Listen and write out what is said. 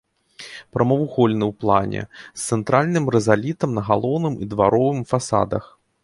Прамавугольны ў плане, з цэнтральным рызалітам на галоўным і дваровым фасадах.